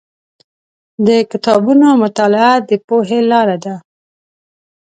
د کتابونو مطالعه د پوهې لاره ده.